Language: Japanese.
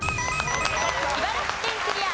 茨城県クリア。